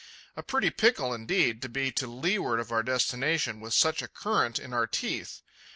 A pretty pickle, indeed, to be to leeward of our destination with such a current in our teeth.